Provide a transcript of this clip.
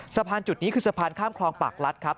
สะพานจุดนี้คือสะพานข้ามคลองปากลัดครับ